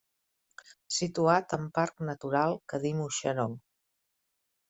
Situat en parc natural Cadí-Moixeró.